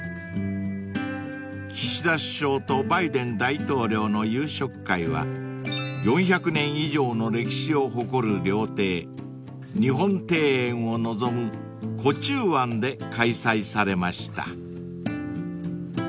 ［岸田首相とバイデン大統領の夕食会は４００年以上の歴史を誇る料亭日本庭園を望む壺中庵で開催されました］